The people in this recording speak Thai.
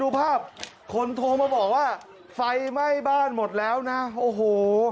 ดูภาพคนโทรมาบอกว่าไฟไหม้บ้านหมดแล้วนะโอ้โห